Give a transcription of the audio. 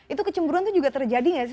itu kecemburuan tuh juga terjadi nggak sih